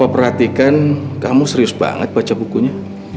perhatikan kamu serius banget baca bukunya